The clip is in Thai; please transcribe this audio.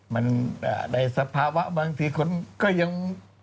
มันในสภาวะบางทีคนก็ยัง